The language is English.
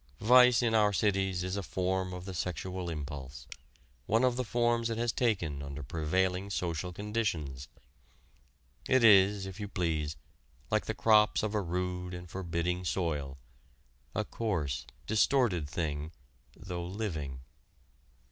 Vice in our cities is a form of the sexual impulse one of the forms it has taken under prevailing social conditions. It is, if you please, like the crops of a rude and forbidding soil a coarse, distorted thing though living.